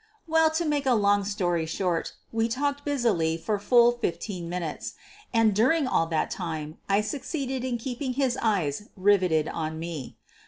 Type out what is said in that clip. Well, to make a long story short, we talked busily for fully fifteen minutes, and during all that time I succeeded in keeping his eyes riveted on me.